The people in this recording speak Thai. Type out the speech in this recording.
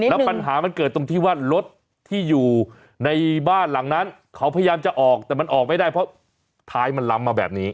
แล้วปัญหามันเกิดตรงที่ว่ารถที่อยู่ในบ้านหลังนั้นเขาพยายามจะออกแต่มันออกไม่ได้เพราะท้ายมันล้ำมาแบบนี้